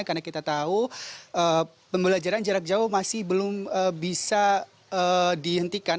karena kita tahu pembelajaran jarak jauh masih belum bisa dihentikan